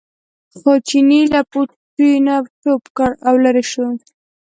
خو چیني له پوټي نه ټوپ کړ او لرې شو.